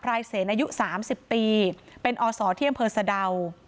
พรายเสนอายุ๓๐ปีเป็นอศเที่ยงเผิดสะเดา